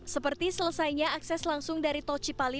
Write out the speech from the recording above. seperti selesainya akses langsung dari tol cipali